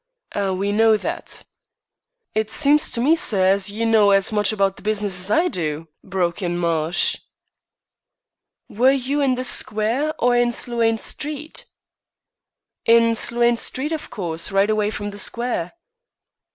"We know that " "It seems to me, sir, as ye know as much about the business as I do," broke in Marsh. "Were you in the Square or in Sloane Street?" "In Sloane Street, of course. Right away from the Square."